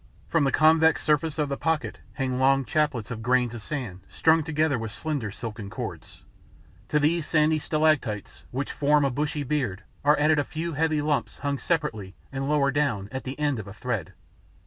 From the convex surface of the pocket hang long chaplets of grains of sand strung together with slender silken cords. To these sandy stalactites, which form a bushy beard, are added a few heavy lumps hung separately and lower down, at the end of a thread.